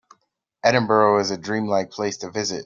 Edinburgh is a dream-like place to visit.